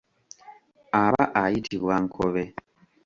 Aba ayitibwa Nkobe.